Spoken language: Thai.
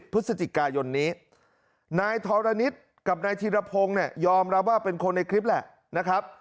พฤศจิกายนนี้นายธรณิตกับนายธีรพงศ์เนี่ยยอมรับว่าเป็นคนในคลิปแหละนะครับ